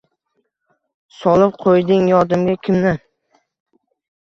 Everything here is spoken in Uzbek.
Solib qo’yding yodimga kimni?..